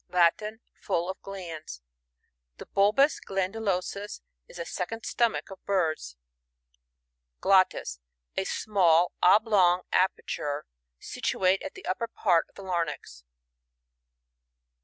Latin. Full of glands. The bulbus glandnlosus^ is the second stomach of birds. Glottis. — A small oblong aperture, situate at the upper part of the larynx.